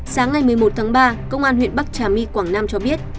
sáng ngày một mươi một tháng ba công an huyện bắc trà my quảng nam cho biết